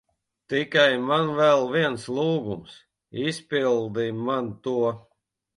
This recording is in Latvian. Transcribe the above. Tikai man vēl viens lūgums. Izpildi man to.